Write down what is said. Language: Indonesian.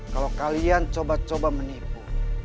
kalau kalian coba coba menipu